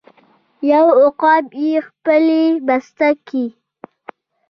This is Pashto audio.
یو عقاب یې خپلې بسته کې